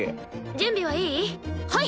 準備はいい？